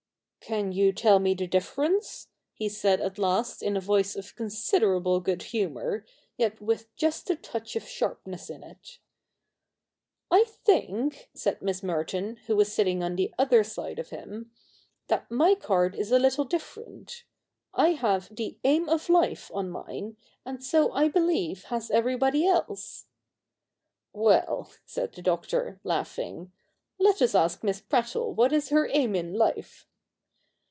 ' Can you tell me the difference ?' he said at last in a voice of considerable good humour, yet with just a touch of sharpness in it. ' I think,' said Miss Merton, who was sitting on the other side of him, ' that my card is a little different. I have the " Aim of Life " on mine, and so I beHeve has everybody else.' 'Well,' said the Doctor, laughing, 'let us ask Miss Prattle what is her aim in life.'